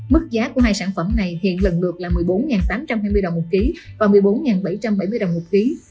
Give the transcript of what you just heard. mức giá của hai sản phẩm này hiện lần lượt là một mươi bốn tám trăm hai mươi đồng một ký và một mươi bốn bảy trăm bảy mươi đồng một ký